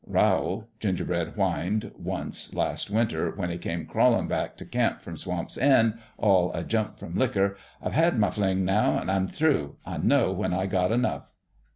"' Rowl,' Gingerbread whined once, last win ter, when he come crawlin' back t' camp from Swamp's End, all a jump from liquor, ' I've had my fling, now, and I'm through. I know when / got enough.'